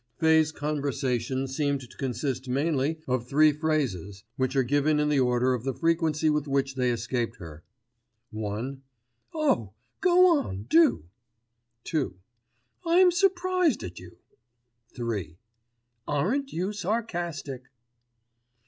Fay's conversation seemed to consist mainly of three phrases, which are given in the order of the frequency with which they escaped her (1) Oh! go on, do! (2) I'm surprised at you! (3) Aren't you sarcastic!